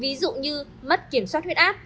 ví dụ như mất kiểm soát huyết áp